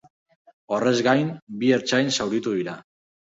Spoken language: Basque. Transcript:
Horrez gain, bi ertzain zauritu dira.